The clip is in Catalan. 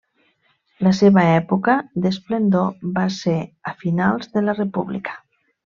La seva època d'esplendor va ser a finals de la república.